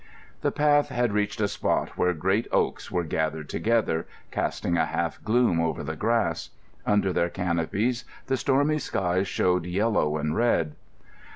The path had reached a spot where great oaks were gathered together, casting a half gloom over the grass. Under their canopies the stormy sky showed yellow and red.